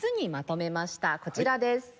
こちらです。